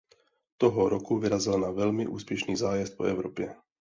Toho roku vyrazil na velmi úspěšný zájezd po Evropě.